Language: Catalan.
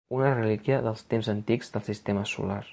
Una relíquia dels temps antics del sistema solar.